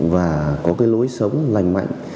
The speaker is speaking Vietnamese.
và có lối sống lành mạnh